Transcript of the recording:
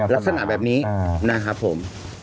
ลักษณะแบบนี้นะครับผม